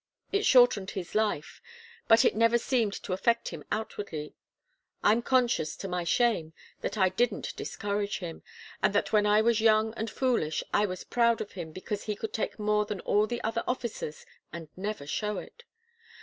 It shortened his life, but it never seemed to affect him outwardly. I'm conscious to my shame that I didn't discourage him, and that when I was young and foolish I was proud of him because he could take more than all the other officers and never show it.